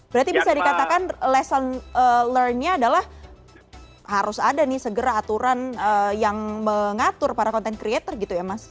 berarti bisa dikatakan lesson learnya adalah harus ada nih segera aturan yang mengatur para content creator gitu ya mas